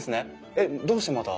えっどうしてまた？